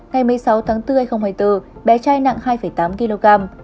ngày một mươi sáu tháng bốn hai nghìn hai mươi bốn bé trai nặng hai tám kg